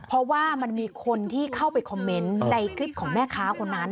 เพราะว่ามันมีคนที่เข้าไปคอมเมนต์ในคลิปของแม่ค้าคนนั้น